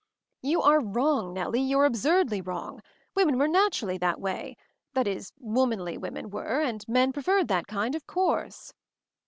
"You are wrong, Nellie — you're absurdly wrong. Women were naturally that way; that is, womanly women were, and men pre ferred that kind, of course."